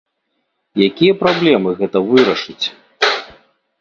Якія праблемы гэта вырашыць?